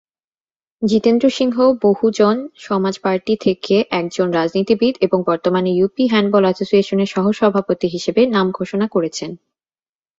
Jitendra Singh Bahujan Samaj party থেকে একজন রাজনীতিবিদ এবং বর্তমানে ইউপি হ্যান্ডবল অ্যাসোসিয়েশনের সহ-সভাপতি হিসাবে নাম ঘোষণা করেছেন।